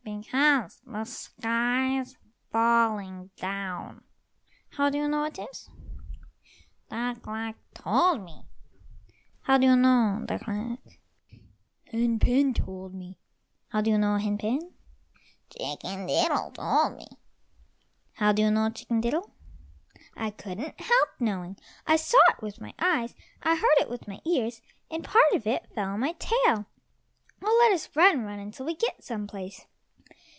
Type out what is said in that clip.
"Because the sky's falling down." "How do you know it is?" "Duck luck told me!" "How do you know, Duck luck?" "Hen pen told me!" "How do you know, Hen pen?" "Chicken diddle told me!" "How do you know, Chicken diddle?" "I couldn't help knowing! I saw it with my eyes, I heard it with my ears, and a part of it fell on my tail. Oh, let us run, run until we get some place."